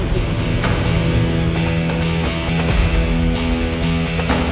kau udah ngerti